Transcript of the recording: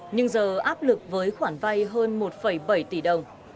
nhưng giờ áp lực với khoản vay hơn một bảy tỷ đồng